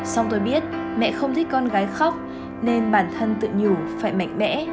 xong tôi biết mẹ không thích con gái khóc nên bản thân tự nhủ phải mạnh mẽ